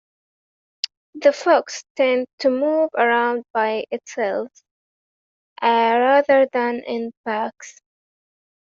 The fox tends to move around by itself, rather than in packs.